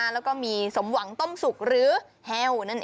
แล้วก็มีสมหวังต้มสุกหรือแห้วนั่นเอง